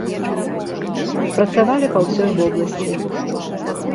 Працавалі па ўсёй вобласці.